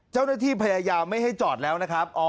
เจ้าหน้าที่พยายามไม่ให้จอดแล้วนะครับ